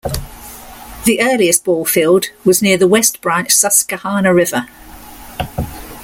The earliest ballfield was near the West Branch Susquehanna River.